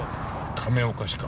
亀岡市か。